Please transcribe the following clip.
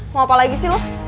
mau apa lagi sih lo